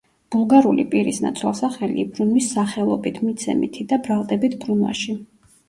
ბულგარული პირის ნაცვალსახელი იბრუნვის სახელობით, მიცემითი და ბრალდებით ბრუნვაში.